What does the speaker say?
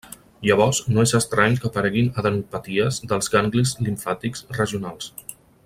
Llavors no és estrany que apareguin adenopaties dels ganglis limfàtics regionals.